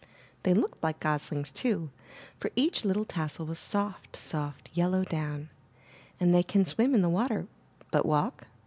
They looked like goslings, too, for each little tassel was soft, soft yellow down, and they can swim in the water, but walk?